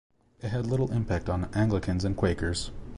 It had little impact on Anglicans and Quakers.